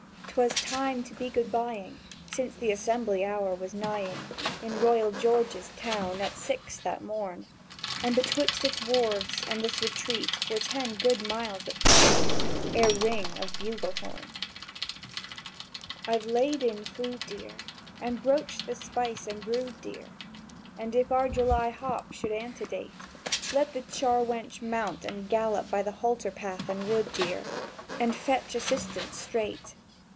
'Twas time to be Good bying, Since the assembly hour was nighing In royal George's town at six that morn; And betwixt its wharves and this retreat were ten good miles of hieing Ere ring of bugle horn. "I've laid in food, Dear, And broached the spiced and brewed, Dear; And if our July hope should antedate, Let the char wench mount and gallop by the halterpath and wood, Dear, And fetch assistance straight.